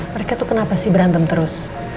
mereka tuh kenapa sih berantem terus